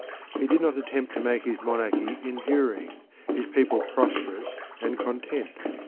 He did not attempt to make his monarchy enduring, his people prosperous and content.